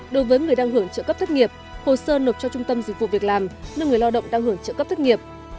đối với người đang hưởng trợ cấp thất nghiệp hồ sơ nộp cho trung tâm dịch vụ việc làm nơi người lao động đang hưởng trợ cấp thất nghiệp